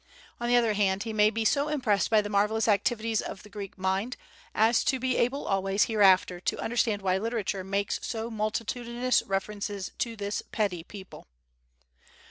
On the other hand, he may be so impressed by the marvellous activities of the Greek mind as to be able always hereafter to understand why literature makes so multitudinous references to this petty people.